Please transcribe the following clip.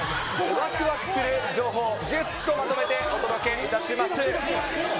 わくわくする情報をぎゅっとまとめてお届けいたします。